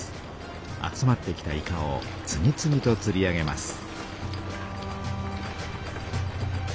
集まってきたイカを次々とつり上げます。